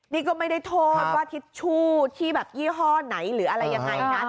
นี่ก็ไม่ได้โทษว่าทิชชู่ที่แบบยี่ห้อไหนหรืออะไรยังไงนะ